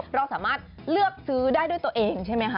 เราสามารถเลือกซื้อได้ด้วยตัวเองใช่ไหมคะ